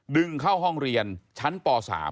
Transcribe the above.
ดึงเข้าห้องเรียนชั้นป๓